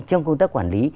trong công tác quản lý